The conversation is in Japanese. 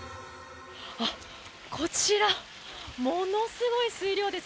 こちらものすごい水量です。